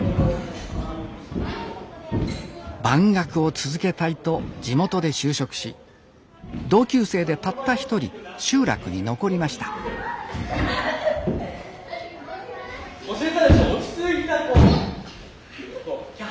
番楽を続けたいと地元で就職し同級生でたった一人集落に残りました教えたでしょ。